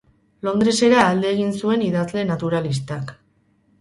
Londresera alde egin zuen idazle naturalistak.